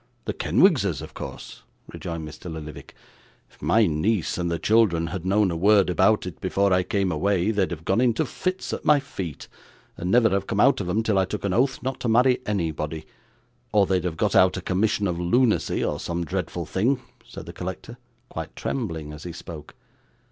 'The Kenwigses of course,' rejoined Mr. Lillyvick. 'If my niece and the children had known a word about it before I came away, they'd have gone into fits at my feet, and never have come out of 'em till I took an oath not to marry anybody or they'd have got out a commission of lunacy, or some dreadful thing,' said the collector, quite trembling as he spoke.